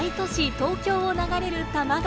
東京を流れる多摩川。